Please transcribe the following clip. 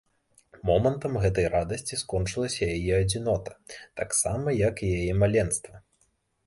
Момантам гэтай радасці скончылася яе адзінота, таксама як і яе маленства.